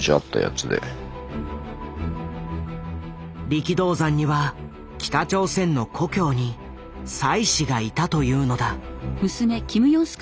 力道山には北朝鮮の故郷に妻子がいたというのだ。